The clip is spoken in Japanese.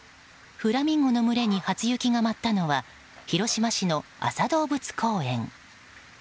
フラミンゴの群れに初雪が舞ったのは広島市の安佐動物公園。